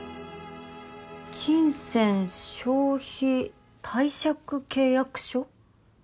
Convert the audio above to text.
金銭消費貸借契約書。